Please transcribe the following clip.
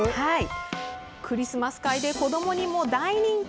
クリスマス会で子どもにも大人気。